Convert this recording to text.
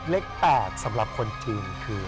เลข๘สำหรับคนจีนคือ